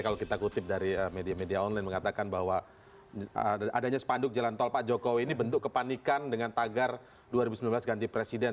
kalau kita kutip dari media media online mengatakan bahwa adanya spanduk jalan tol pak jokowi ini bentuk kepanikan dengan tagar dua ribu sembilan belas ganti presiden